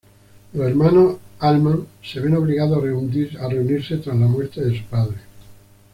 Los hermanos Altman se ven obligados a reunirse tras la muerte de su padre.